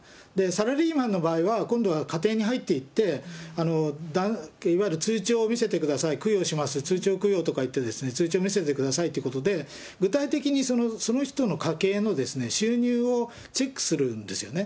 サラリーマンの場合は、今度は家庭に入っていって、いわゆる、通帳を見せてください、供養します、いわゆる通帳供養といって、通帳見せてくださいということで、具体的に、その人の家系の収入をチェックするんですよね。